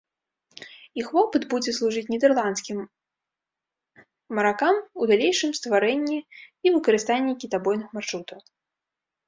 Іх вопыт будзе служыць нідэрландскім маракам у далейшым стварэнні і выкарыстанні кітабойных маршрутаў.